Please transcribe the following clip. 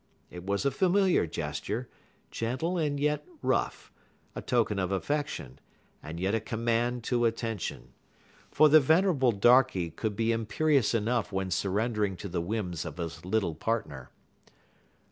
It was a familiar gesture, gentle and yet rough, a token of affection, and yet a command to attention; for the venerable darkey could be imperious enough when surrendering to the whims of his little partner.